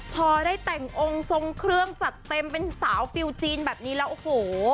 พอได้แต่งองค์ทรงเครื่องจัดเต็มเป็นสาวฟิลจีนแบบนี้แล้วโอ้โห